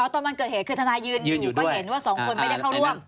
ตอนวันเกิดเหตุคือทนายยืนอยู่ก็เห็นว่าสองคนไม่ได้เข้าร่วม